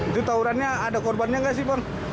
itu tawurannya ada korbannya nggak sih bang